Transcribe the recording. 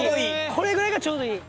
これぐらいがちょうどいい。